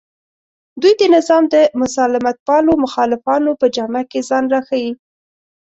دوی د نظام د مسالمتپالو مخالفانو په جامه کې ځان راښیي